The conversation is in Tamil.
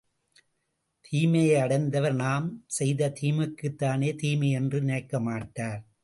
தீமையை அடைந்தவர் நாம் செய்த தீமைக்குத்தானே தீமை என்று நினைக்கமாட்டார்.